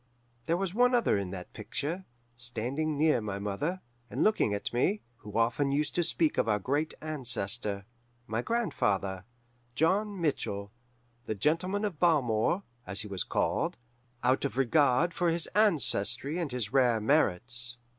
There was one other in that picture, standing near my mother, and looking at me, who often used to speak of our great ancestor my grandfather, John Mitchell, the Gentleman of Balmore, as he was called, out of regard for his ancestry and his rare merits.